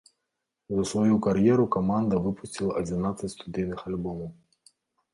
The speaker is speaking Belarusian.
За сваю кар'еру каманда выпусціла адзінаццаць студыйных альбомаў.